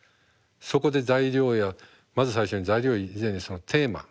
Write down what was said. そこで材料やまず最初に材料以前にそのテーマ。